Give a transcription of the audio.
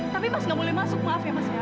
tapi pas nggak boleh masuk maaf ya mas ya